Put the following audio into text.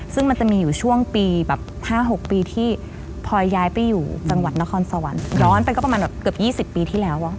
ซึ่งมันจะมีอยู่ช่วงปีแบบ๕๖ปีที่พลอยย้ายไปอยู่จังหวัดนครสวรรค์ย้อนไปก็ประมาณแบบเกือบ๒๐ปีที่แล้ว